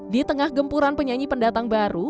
di tengah gempuran penyanyi pendatang baru